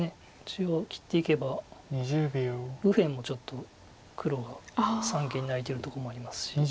中央切っていけば右辺もちょっと黒が三間に空いてるとこもありますし。